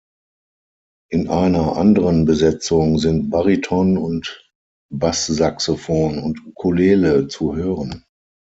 In einer anderen Besetzung sind Bariton- und Basssaxophon und Ukulele zu hören.